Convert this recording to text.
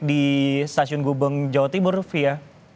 di stasiun gubeng jawa timur fia